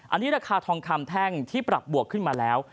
อันนี้ราคาทองคำแท่งที่ปรับบวกขึ้นมาแล้ว